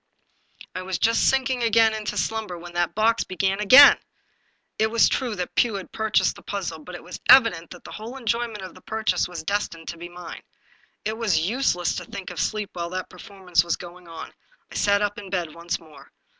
I was just sinking again into slumber, when that box began again. It was true that Pugh had purchased the puzzle, but it was evident that the whole enjoyment of the purchase was destined to be mine. It was useless to think of sleep while that performance was going on. I sat up in bed once more.